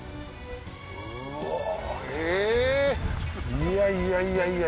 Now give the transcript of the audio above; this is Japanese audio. いやいやいや。